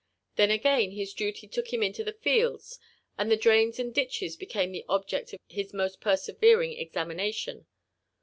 Then again his duty took him into the fields, and the drains and ditdies became the objects of his most persevering examination.